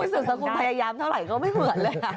คุณสุสคุณพยายามเท่าไรเขาไม่เหมือนเลย